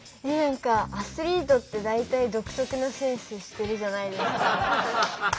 何かアスリートって大体独特なセンスしてるじゃないですか。